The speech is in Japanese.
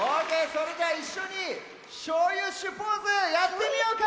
それじゃいっしょにショウユッシュポーズやってみようか！